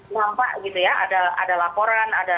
nampak gitu ya ada laporan ada